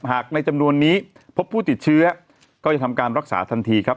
ในจำนวนนี้พบผู้ติดเชื้อก็จะทำการรักษาทันทีครับ